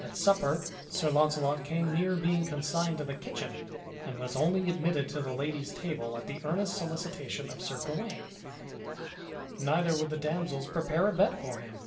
At supper Sir Launcelot came near being consigned to the kitchen and was only admitted to the lady's table at the earnest solicitation of Sir Gawain. Neither would the damsels prepare a bed for him.